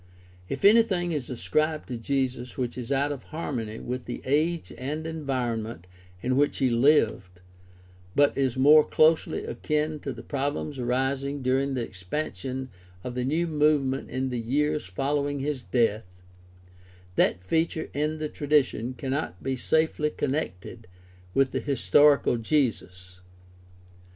If anything is ascribed to Jesus which is out of harmony with the age and environment in which he Hved, but is more closely akin to the problems arising during the expansion of the new movement in the years following his death, that feature in the tradition cannot be safely connected with the historical Jesus.